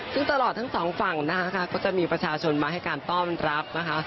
ซึ่งตลอดทั้งสองฝั่งนะคะก็จะมีประชาชนมาให้การต้อนรับนะคะ